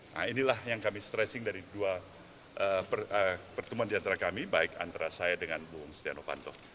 nah inilah yang kami stressing dari dua pertemuan di antara kami baik antara saya dengan bu stiano fanto